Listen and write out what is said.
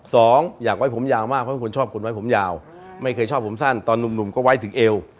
สองอยากไว้ผมยาวมากเพราะเป็นคนชอบคนไว้ผมยาวไม่เคยชอบผมสั้นตอนหนุ่มก็ไว้ถึงเอว